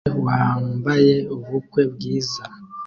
Umugore wambaye ubukwe bwiza